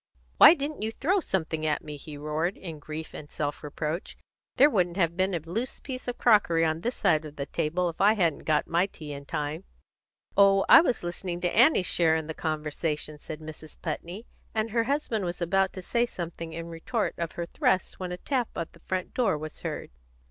"Why didn't you throw something at me," he roared, in grief and self reproach. "There wouldn't have been a loose piece of crockery on this side of the table if I hadn't got my tea in time." "Oh, I was listening to Annie's share in the conversation," said Mrs. Putney; and her husband was about to say something in retort of her thrust when a tap on the front door was heard.